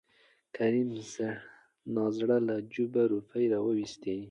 کريم زړه نازړه له جوبه روپۍ راوېستې.